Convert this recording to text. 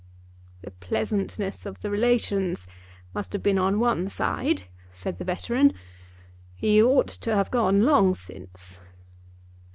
"The pleasantness of the relations must have been on one side," said the veteran. "He ought to have gone long since."